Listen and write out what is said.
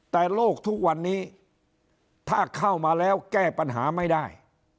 แต่โลกทุกวันนี้ถ้าเข้ามาแล้วแก้ปัญหาไม่ได้